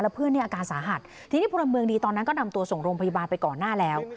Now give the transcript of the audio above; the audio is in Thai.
เพื่อนเนี่ยอาการสาหัสทีนี้พลเมืองดีตอนนั้นก็นำตัวส่งโรงพยาบาลไปก่อนหน้าแล้ว